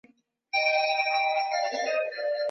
malkia elizabeth alifanya utafiti wa mashitaka ya mary stuart